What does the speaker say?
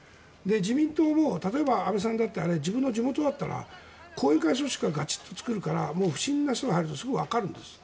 自民党も例えば、安倍さんだってあれ、自分の地元だったら後援会組織がガチッと作るから不審な人が入るとすぐにわかるんです。